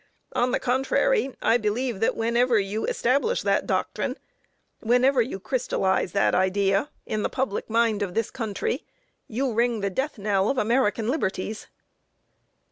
On the contrary, I believe that whenever you establish that doctrine, whenever you crystalize that idea in the public mind of this country, you ring the death knell of American liberties."